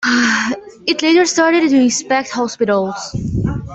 It later started to inspect hospitals.